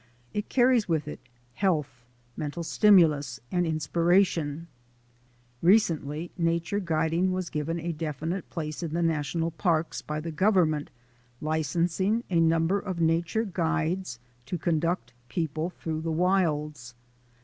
It carries with it health, mental stimulus, and inspiration. Recently nature guiding was given a definite place in the national parks by the Government licensing a number of nature guides to conduct people i 9 4 THE ADVENTURES OF A NATURE GUIDE through the wilds.